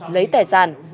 lấy tài sản